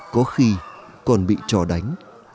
có khi còn bị trò đánh